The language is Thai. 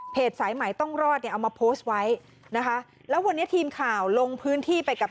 สายใหม่ต้องรอดเนี่ยเอามาโพสต์ไว้นะคะแล้ววันนี้ทีมข่าวลงพื้นที่ไปกับ